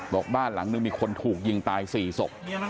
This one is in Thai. บ้านหลังนึงมีคนถูกยิงตาย๔ศพ